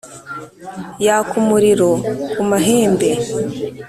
yaka umuriro ku mahembe